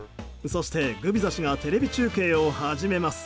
そして、グビザ氏がテレビ中継を始めます。